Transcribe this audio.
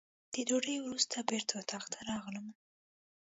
د ډوډۍ وروسته بېرته اتاق ته راغلم.